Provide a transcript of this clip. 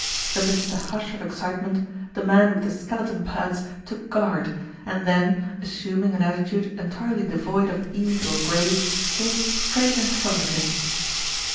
Amidst a hush of excitement, the man with the skele ton pads took "guard," and then, assuming an attitude entirely devoid of ease or grace, gazed straight in front of him.